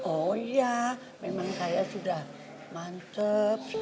oh iya memang saya sudah mantep